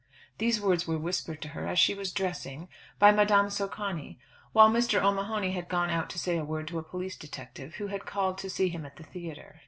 _" These words were whispered to her, as she was dressing, by Madame Socani, while Mr. O'Mahony had gone out to say a word to a police detective, who had called to see him at the theatre.